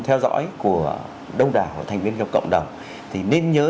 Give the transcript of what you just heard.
theo dõi của đông đảo thành viên trong cộng đồng thì nên nhớ